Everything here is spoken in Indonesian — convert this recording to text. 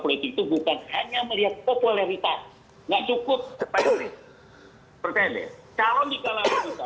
politik itu bukan hanya melihat popularitas nggak cukup percaya deh calon di kalangan kita